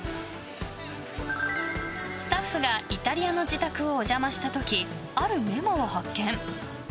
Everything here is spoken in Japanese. スタッフがイタリアの自宅をお邪魔した時、あるメモを発見。